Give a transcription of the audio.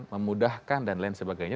memudahkan dan lain sebagainya